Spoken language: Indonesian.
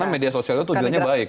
karena media sosial itu tujuannya baik